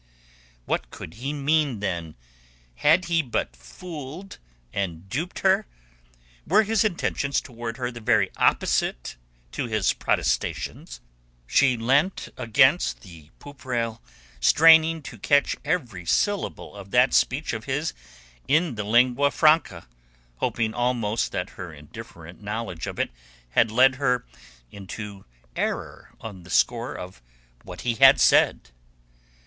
What could he mean, then? Had he but fooled and duped her? Were his intentions towards her the very opposite to his protestations? She leant upon the poop rail straining to catch every syllable of that speech of his in the lingua franca, hoping almost that her indifferent knowledge of it had led her into error on the score of what he had said.